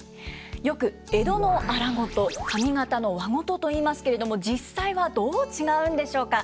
よく江戸の荒事上方の和事といいますけれども実際はどう違うんでしょうか？